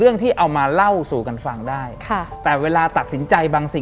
หลังจากนั้นเราไม่ได้คุยกันนะคะเดินเข้าบ้านอืม